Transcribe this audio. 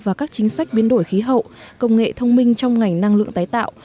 và các chính sách biến đổi khí hậu công nghệ thông minh trong ngành năng lượng tái tạo